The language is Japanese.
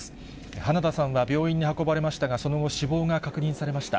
花田さんは病院に運ばれましたが、その後、死亡が確認されました。